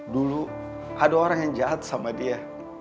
dulu ada orang yang jahat sama dia